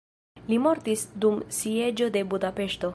Li mortis dum sieĝo de Budapeŝto.